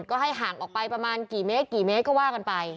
ก็ให้ห่างออกไปประมาณกี่เมตรกี่เมตรก็ว่ากันไป